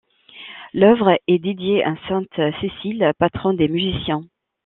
L'œuvre est dédiée à sainte Cécile, patronne des musiciens.